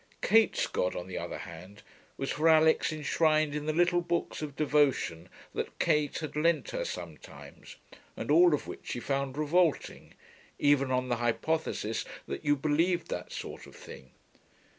Kate's God, on the other hand, was for Alix enshrined in the little books of devotion that Kate had lent her sometimes, and all of which she found revolting, even on the hypothesis that you believed that sort of thing.